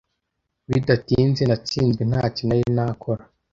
bidatinze natsinzwe ntacyo nari nakora